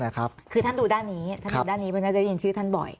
นะครับคือท่านดูด้านนี้ครับด้านนี้มันก็จะได้ยินชื่อท่านบ่อย